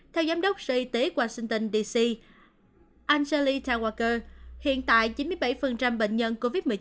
theo giám đốc sở y tế washington dc angelita walker hiện tại chín mươi bảy bệnh nhân covid một mươi chín